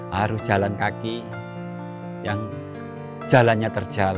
harus jalan kaki yang jalannya terjal